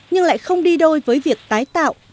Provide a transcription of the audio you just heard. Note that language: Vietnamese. nhưng lại không đi đôi với việc tái tạo